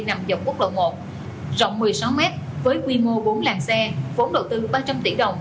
nằm dọc quốc lộ một rộng một mươi sáu mét với quy mô bốn làng xe vốn đầu tư ba trăm linh tỷ đồng